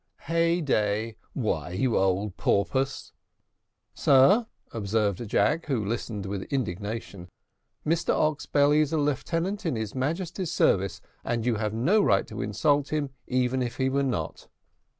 "Hey day! why, you old porpoise!" "Sir," observed Jack, who listened with indignation, "Mr Oxbelly is a lieutenant in his Majesty's service, and you have no right to insult him, even if he were not."